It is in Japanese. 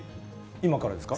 今からですか？